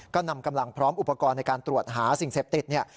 ก็นำกำลังพร้อมอุปกรณ์ในการตรวจหาสิ่งเสพติดเนี่ย